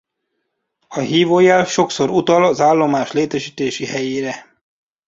A hívójel sokszor utal az állomás létesítési helyére.